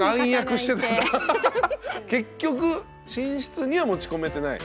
結局寝室には持ち込めてない？